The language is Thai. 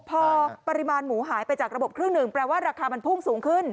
พอปริมาณหมูหายไปจากระบบครึ่งหนึ่งแปลว่าราคามันพุ่งสูงขึ้น